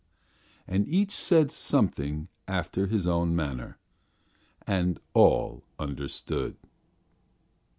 And each said something after his own manner, and all understood.